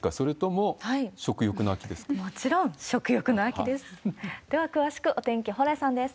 もちろん食欲の秋です。